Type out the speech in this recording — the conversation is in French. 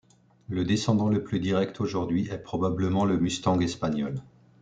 Le descendant le plus direct aujourd'hui est probablement le mustang espagnol.